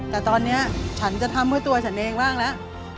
แต่ตอนนี้ฉันจะทำเพื่อตัวฉันเองบ้างแล้ว